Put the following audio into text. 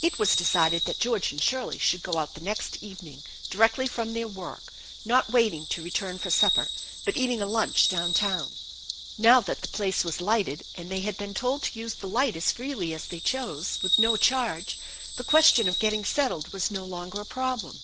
It was decided that George and Shirley should go out the next evening directly from their work, not waiting to return for supper, but eating a lunch down town. Now that the place 106 THE ENCHANTED BARN was lighted and they had been told to use the light as freely as they chose, with no charge, the question of getting settled was no longer a problem.